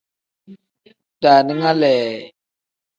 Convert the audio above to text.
Daaninga lee.